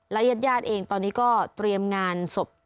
และยาดเองตอนนี้ก็เตรียมงานสบ